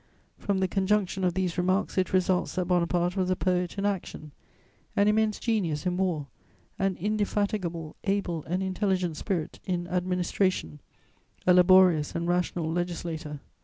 ] From the conjunction of these remarks it results that Bonaparte was a poet in action, an immense genius in war, an indefatigable, able and intelligent spirit in administration, a laborious and rational legislator.